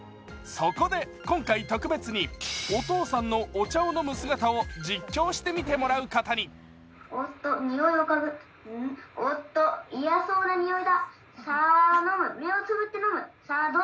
そこで今回特別にお父さんのお茶を飲む姿を実況してみてもらうことに。